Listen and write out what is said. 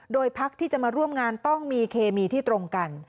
โดยพักที่จะมาร่วมงานต้องมีเคมีที่ตรงกัน